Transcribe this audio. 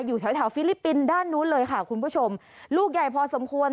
อยู่แถวแถวฟิลิปปินส์ด้านนู้นเลยค่ะคุณผู้ชมลูกใหญ่พอสมควร